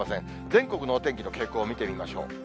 全国のお天気の傾向見てみましょう。